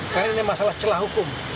karena ini masalah celah hukum